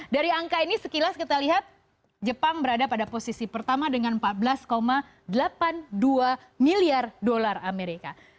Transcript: dari angka ini sekilas kita lihat jepang berada pada posisi pertama dengan empat belas delapan puluh dua miliar dolar amerika